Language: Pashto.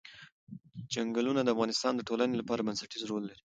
چنګلونه د افغانستان د ټولنې لپاره بنسټيز رول لري.